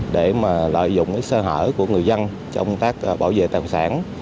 để mà lợi dụng cái sơ hở của người dân trong tác bảo vệ tài sản